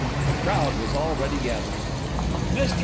A crowd was already gathering. Mr.